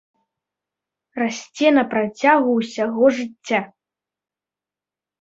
Расце на працягу ўсяго жыцця.